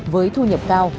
với thu nhập cao